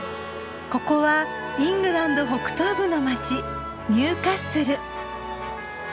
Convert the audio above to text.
ここはイングランド北東部の街ニューカッスル。